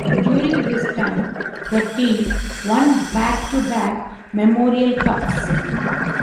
During this time, the team won back to back Memorial Cups.